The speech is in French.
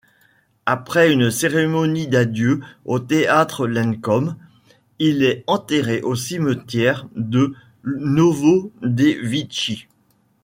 Après une cérémonie d'adieux au théâtre Lenkom, il est enterré au cimetière de Novodevitchi.